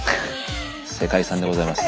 世界遺産でございます。